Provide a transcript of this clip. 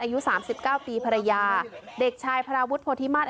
อายุสามสิบเก้าปีภรรยาเด็กชายพระวุฒิโพธิมาตร